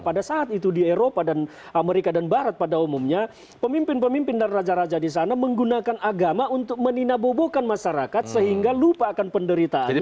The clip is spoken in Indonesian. pada saat itu di eropa dan amerika dan barat pada umumnya pemimpin pemimpin dan raja raja di sana menggunakan agama untuk meninabobokan masyarakat sehingga lupakan penderitaannya